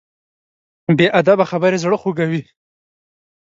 بې ادبه خبرې زړه خوږوي.